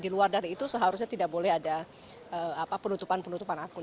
di luar dari itu seharusnya tidak boleh ada penutupan penutupan akun